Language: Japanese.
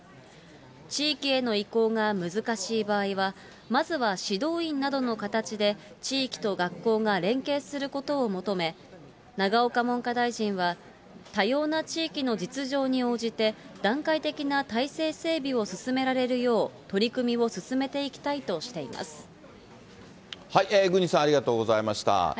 地域への意向が難しい場合は、まずは指導員などの形で、地域と学校が連携することを求め、永岡文科大臣は、多様な地域の実情に応じて、段階的な体制整備を進められるよう、取り組みを進めていきたいと郡司さん、ありがとうございました。